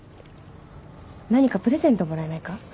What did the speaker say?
何かプレゼントもらえないか？